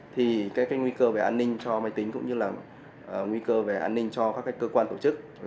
thì cái nguy cơ về an ninh cho máy tính cũng như là nguy cơ về an ninh cho các cơ quan tổ chức